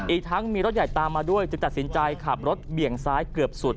อีกทั้งมีรถใหญ่ตามมาด้วยจึงตัดสินใจขับรถเบี่ยงซ้ายเกือบสุด